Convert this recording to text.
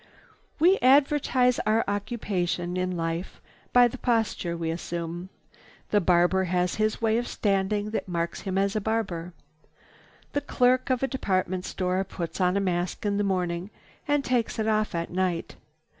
We advertise our occupation in life by the posture we assume. The barber has his way of standing that marks him as a barber. The clerk of a department store puts on a mask in the morning and takes it off at night.